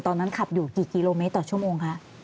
ตอนนั้นขับอยู่กี่กิโลเมตรต่อชั่วโมงคะ